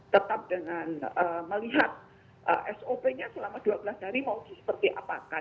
tetap dengan melihat sop nya selama dua belas hari mau seperti apakan